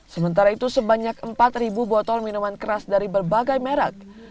sementara itu sebanyak empat botol minuman keras dari berbagai merek